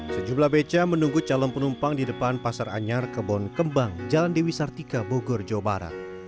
sejumlah beca menunggu calon penumpang di depan pasar anyar kebon kembang jalan dewi sartika bogor jawa barat